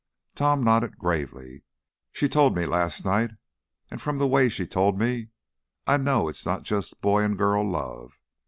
Tom nodded gravely. "She told me last night. And from the way she told me, I know it's not just boy and girl love.